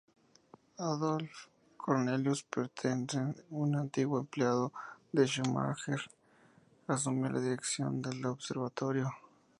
Adolph Cornelius Petersen, un antiguo empleado de Schumacher, asumió la dirección del observatorio.